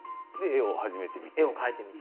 絵を描いてみて。